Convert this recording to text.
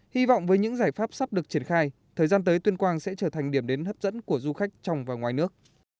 hy vọng với những giải pháp sắp được triển khai thời gian tới tuyên quang sẽ trở thành điểm đến hấp dẫn của du khách trong và ngoài nước